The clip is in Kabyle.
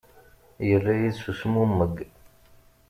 Yerra-iyi-d s uzmummeg.